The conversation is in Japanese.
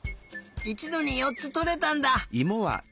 いちどによっつとれたんだ！